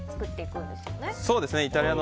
そうですね。